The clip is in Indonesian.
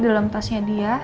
dalam tasnya dia